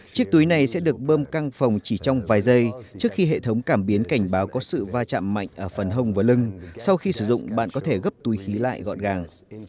chiếc túi này sẽ được bơm căng phòng chỉ trong vài giây trước khi hệ thống cảm biến cảnh báo có sự va chạm mạnh ở phần hông và lưng sau khi sử dụng bạn có thể gấp túi khí lại gọn gàng